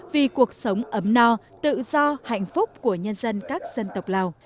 vì cuộc sống ấm no tự do hạnh phúc của nhân dân các dân tộc lào